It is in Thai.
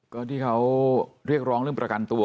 ก็ที่เขาเรียกร้องเรื่องประกันตัว